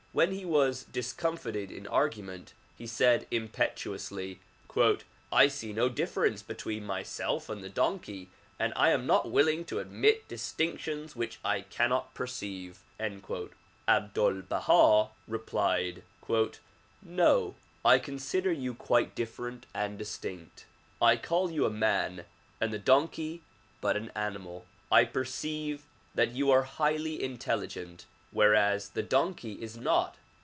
When he was discom fited in argument, he said impetuously " I see no difference between myself and the donkey and I am not willing to admit distinctions which I cannot perceive." Abdul Baha replied "No, I consider you quite different and distinct ; I call you a man and the donkey but an animal. I perceive that you are highly intelligent whereas the donkey is not.